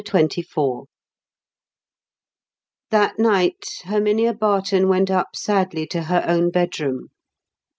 CHAPTER XXIV That night, Herminia Barton went up sadly to her own bedroom.